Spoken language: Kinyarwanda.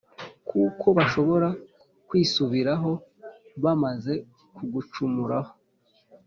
kuko bashobora kwisubiraho, bamaze kugucumuraho.